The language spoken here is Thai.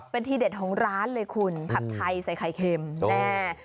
เป็นทีเด็ดของร้านเลยคุณผัดไทยใส่ไข่เค็มแน่